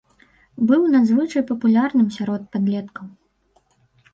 Быў надзвычай папулярным сярод падлеткаў.